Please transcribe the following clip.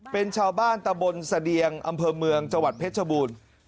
เป็นชาวบ้านตะบนเสดียงอำเภอเมืองจังหวัดเพชรชบูรณ์